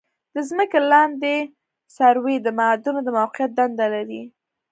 د ځمکې لاندې سروې د معادنو د موقعیت دنده لري